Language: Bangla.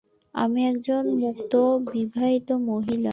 আমি একজন মুক্ত বিবাহিত মহিলা।